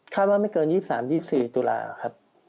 ว่าไม่เกิน๒๓๒๔ตุลาครับ